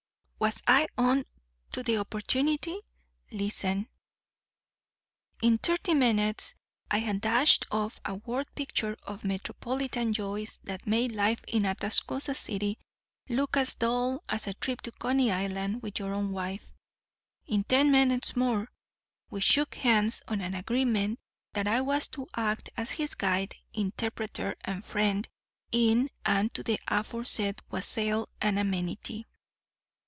"Was I on to the opportunity? Listen. "In thirty minutes I had dashed off a word picture of metropolitan joys that made life in Atascosa City look as dull as a trip to Coney Island with your own wife. In ten minutes more we shook hands on an agreement that I was to act as his guide, interpreter and friend in and to the aforesaid wassail and amenity.